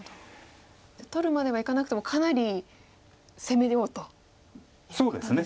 取るまではいかなくてもかなり攻めようということですね。